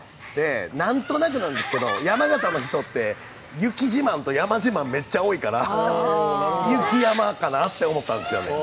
なんとなくなんですけど、山形の人って雪自慢と山自慢、めっちゃ多いから、雪山かなって思ったんですよね。